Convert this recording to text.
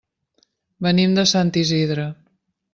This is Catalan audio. Venim de Sant Isidre.